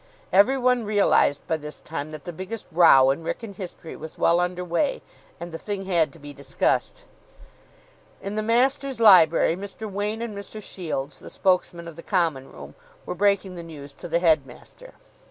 Every one realised by this time that the biggest row in Wrykyn history was well under way; and the thing had to be discussed. In the Masters' library Mr. Wain and Mr. Shields, the spokesmen of the Common Room, were breaking the news to the headmaster.